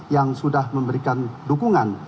yang sudah memberikan dukungan